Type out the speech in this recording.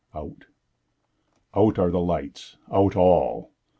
Out—out are the lights—out all!